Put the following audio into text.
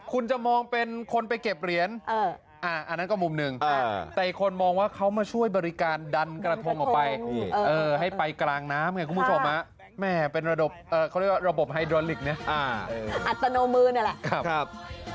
คุณจะมองเป็นคนไปเก็บเหรียญอันนั้นก็มุมหนึ่งแต่อีกคนมองว่าเขามาช่วยบริการดันกระทงออกไปให้ไปกลางน้ำไงคุณผู้ชมแม่เป็นระบบเขาเรียกว่าระบบไฮโดรลิกนะอัตโนมือนี่แหละ